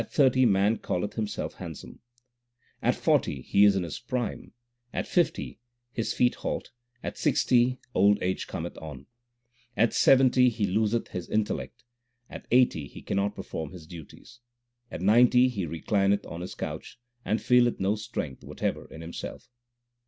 280 THE SIKH RELIGION At forty he is in his prime, at fifty his feet halt, at sixty old age cometh on ; At seventy he loseth his intellect, at eighty he cannot perform his duties ; At ninety he reclineth on his couch, and feeleth no strength whatever in himself.